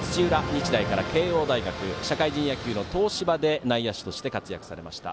日大から慶応大学社会人野球の東芝で内野手として活躍されました。